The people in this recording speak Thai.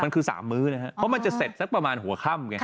มันคือ๓มื้อพอมันจะเสร็จสักประมาณหัวข้ำ